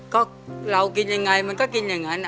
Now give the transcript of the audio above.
ก็เรากินยังไงผมก็กินเนี่ยอย่างงั้น